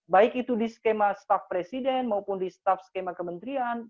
baik itu di skema staff presiden maupun di staff skema kementerian